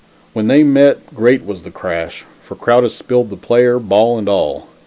When they met, great was the crash, for Crowdis spilled the player, ball and all.